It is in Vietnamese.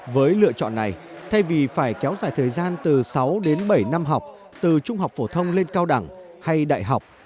với lựa chọn này thay vì phải kéo dài thời gian từ sáu đến bảy năm học từ trung học phổ thông lên cao đẳng hay đại học